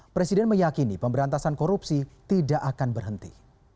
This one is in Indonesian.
presiden meyakini pemberantasan korupsi tidak akan berhenti